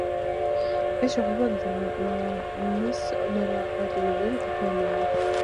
ეს შეხედულება ეგოიზმის ნორმატიული ფორმაა.